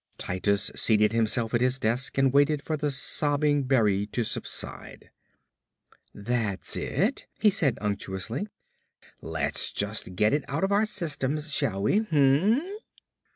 Titus seated himself at his desk and waited for the sobbing Berry to subside. "That's it," he said unctuously, "let's just get it right out of our systems, shall we? Hm m m?"